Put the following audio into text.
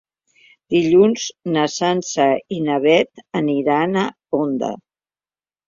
Dilluns na Sança i na Beth aniran a Onda.